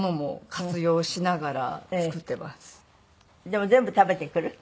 でも全部食べてくる？